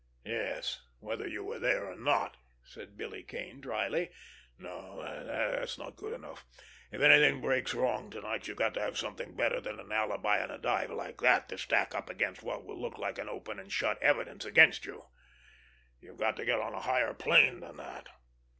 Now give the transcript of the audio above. "Yes; whether you were there or not!" said Billy Kane dryly. "That's not good enough! If anything breaks wrong to night you've got to have something better than an alibi in a dive like that to stack up against what will look like open and shut evidence against you. You've got to get on a higher plane than that."